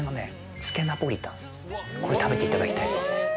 つけナポリタン、これ食べていただきたい。